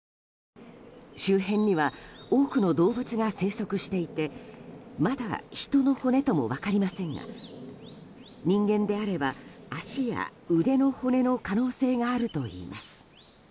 周辺には多くの動物が生息していてまだ人の骨とも分かりませんが人間であれば足や腕の骨の可能性があるといいます。